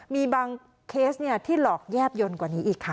มีบางเคสที่หลอกแยบยนต์กว่านี้อีกค่ะ